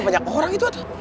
banyak orang itu atau